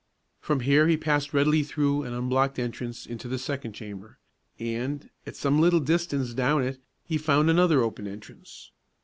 From here he passed readily through an unblocked entrance into the second chamber, and, at some little distance down it, he found another open entrance.